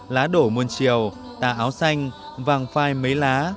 lá đổ muôn chiều ta áo xanh vàng phai mấy lá